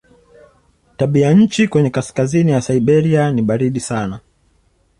Tabianchi kwenye kaskazini ya Siberia ni baridi sana.